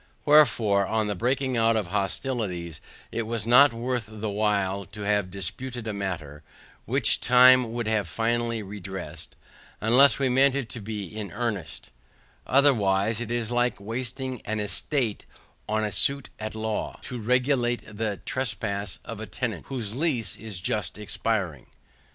Wherefore, on the breaking out of hostilities, it was not worth the while to have disputed a matter, which time would have finally redressed, unless we meant to be in earnest; otherwise, it is like wasting an estate on a suit at law, to regulate the trespasses of a tenant, whose lease is just expiring.